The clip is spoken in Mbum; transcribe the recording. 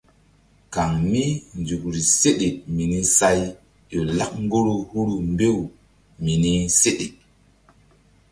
Kaŋ mí nzukri seɗe mini say ƴo lak ŋgoro huru mbew mini seɗe.